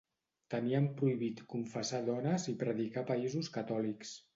Tenien prohibit confessar dones i predicar a països catòlics.